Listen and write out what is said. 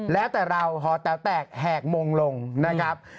แล้วแต่เราหอแต๋วแตกแหกมงลงนะครับ